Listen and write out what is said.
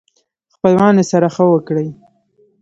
خپلوانو سره ښه وکړئ